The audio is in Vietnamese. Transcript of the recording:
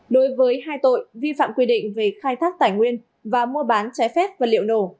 đối với hai tội vi phạm quy định về khai thác tài nguyên và mua bán trái phép vật liệu nổ